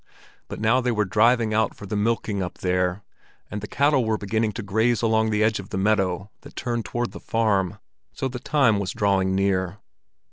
But now they were driving out for milking up there, and the cattle were beginning to graze along the edge of the meadow that turned toward the farm; so the time was drawing near.